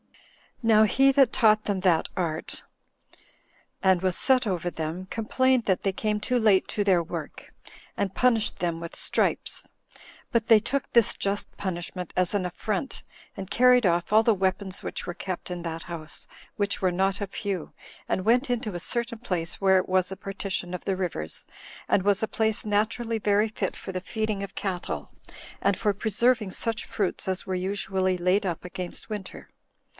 Now he that taught them that art, and was set over them, complained that they came too late to their work, and punished them with stripes; but they took this just punishment as an affront, and carried off all the weapons which were kept in that house, which were not a few, and went into a certain place where was a partition of the rivers, and was a place naturally very fit for the feeding of cattle, and for preserving such fruits as were usually laid up against winter.